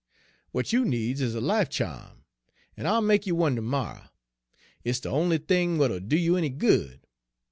W'at you needs is a life cha'm, en I'll make you one ter morrer; it's de on'y thing w'at'll do you any good.